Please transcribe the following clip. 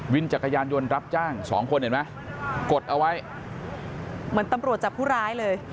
จักรยานยนต์รับจ้างสองคนเห็นไหมกดเอาไว้เหมือนตำรวจจับผู้ร้ายเลย